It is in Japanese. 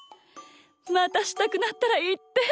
またしたくなったらいって！